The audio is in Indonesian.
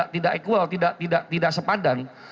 tidak equal tidak sepadan